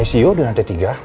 icu udah lantai tiga